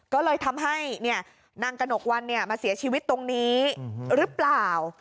ก็เลยทำให้นางกระหนกวันมาเสียชีวิตตรงนี้หรือเปล่า